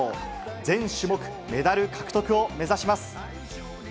全種目メダル獲得を目指します。